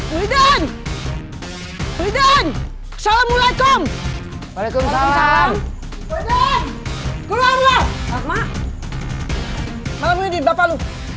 weden weden assalamualaikum waalaikumsalam keluar